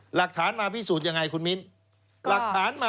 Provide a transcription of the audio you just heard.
หลักฐานมาพิสูจน์ยังไงคุณมิน